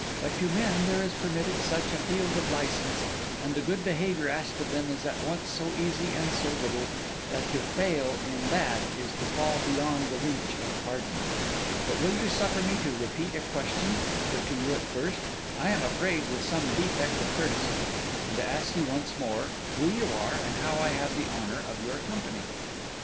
But to men there is permitted such a field of license, and the good behaviour asked of them is at once so easy and so little, that to fail in that is to fall beyond the reach of pardon. But will you suffer me to repeat a question, put to you at first, I am afraid, with some defect of courtesy; and to ask you once more, who you are and how I have the honour of your company?